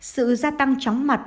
sự gia tăng tróng mặt